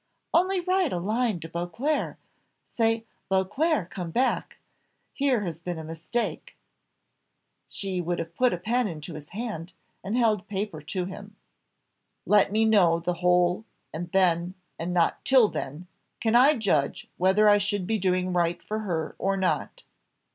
"Only write a line to Beauclerc say, 'Beauclerc come back, here has been a mistake.'" She would have put a pen into his hand, and held paper to him. "Let me know the whole, and then, and not till then, can I judge whether I should be doing right for her or not."